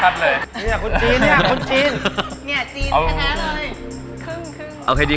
นี้จีนก๋าด้าเลย